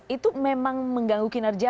itu memang mengganggu kinerja